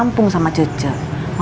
emosi namanya tidak ada